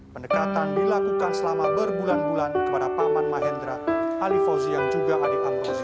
pendekatan dilakukan selama berbulan bulan kepada paman mahendra ali fauzi yang juga adik amrozi